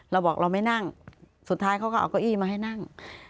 เราบอกเราไม่นั่งสุดท้ายเขาก็เอาเก้าอี้มาให้นั่ง